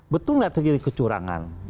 betul lihat terjadi kecurangan